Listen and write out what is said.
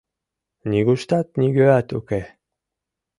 Нигуштат нигӧат уке!